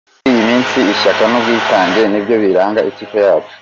Muri iyi minsi ishyaka n’ubwitange nibyo biranga ikipe yacu.